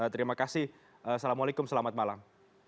terima kasih assalamualaikum selamat malam